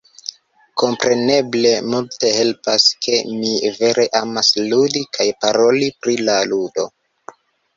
Kompreneble multe helpas, ke mi vere amas ludi kaj paroli pri la ludo.